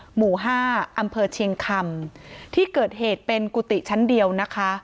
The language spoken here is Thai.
หมู่ห้าอำเภอเชียงคำที่เกิดเหตุเป็นกุฏิชั้นเดียวนะคะ